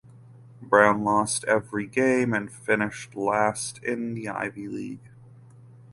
Brown lost every game and finished last in the Ivy League.